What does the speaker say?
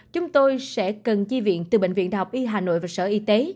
chúng tôi sẽ cần chi viện từ bệnh viện đh y hà nội và sở y tế